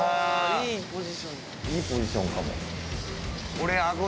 いいポジションかも。